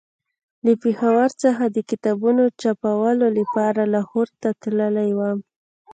له پېښور څخه د کتابونو چاپولو لپاره لاهور ته تللی وم.